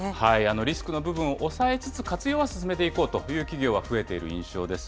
リスクの部分を抑えつつ活用は進めていこうという企業は増えている印象です。